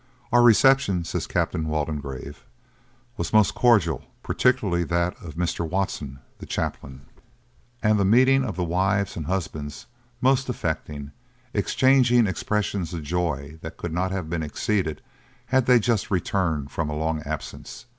'Our reception,' says Captain Waldegrave, 'was most cordial, particularly that of Mr. Watson, the chaplain; and the meeting of the wives and husbands most affecting, exchanging expressions of joy that could not have been exceeded had they just returned from a long absence.